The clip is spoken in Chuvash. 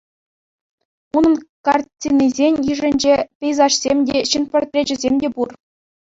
Унӑн картинисен йышӗнче пейзажсем те, ҫын портречӗсем те пур.